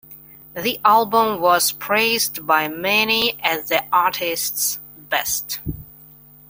The album was praised by many as the artist's best.